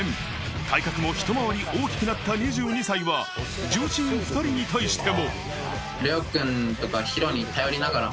体格もひと回り大きくなった２２歳は重鎮２人に対しても。